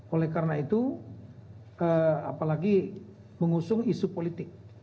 oleh karena itu apalagi mengusung isu politik